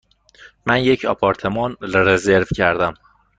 من یک آپارتمان رزرو کردم.